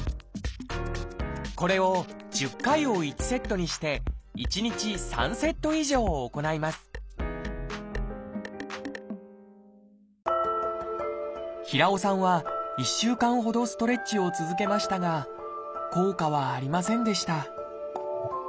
これを１０回を１セットにして１日３セット以上行います平尾さんは１週間ほどストレッチを続けましたが効果はありませんでした